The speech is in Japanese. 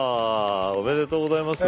おめでとうございます。